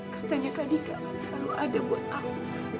katanya kak dika akan selalu ada buat aku